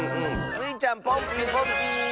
スイちゃんポンピンポンピーン！